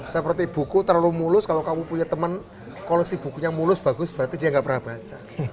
seperti buku terlalu mulus kalau kamu punya teman koleksi bukunya mulus bagus berarti dia nggak pernah baca